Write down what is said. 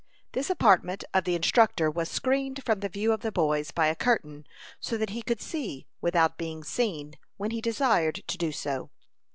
This apartment of the instructor was screened from the view of the boys by a curtain, so that he could see without being seen, when he desired to do so.